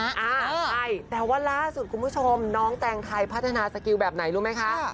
ใช่แต่ว่าล่าสุดคุณผู้ชมน้องแตงไทยพัฒนาสกิลแบบไหนรู้ไหมคะ